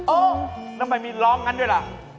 โอ้ทำไมมีร้องกันด้วยล่ะ